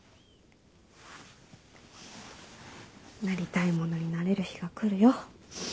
なりたいものになれる日が来るよ